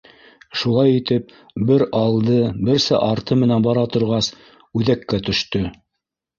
Шулай итеп, бер алды, берсә арты менән бара торғас, үҙәккә төштө.